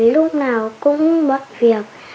lúc nào cũng bất việc